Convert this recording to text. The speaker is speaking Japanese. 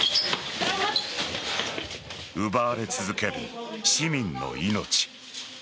奪われ続ける市民の命。